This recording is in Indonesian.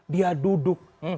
dia duduk kursinya digoyang